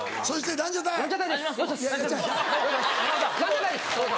ランジャタイです！